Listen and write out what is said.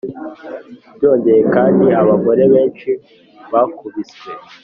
Byongeye kandi abagore benshibakubiswe